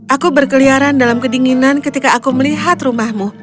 aku berkeliaran dalam kedinginan ketika aku melihat rumahmu